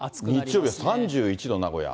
日曜日は３１度、名古屋。